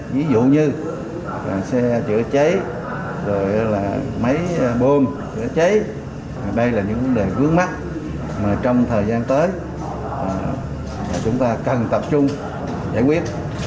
ví dụ như xe chữa cháy máy bôm chữa cháy đây là những vấn đề vướng mắt mà trong thời gian tới chúng ta cần tập trung giải quyết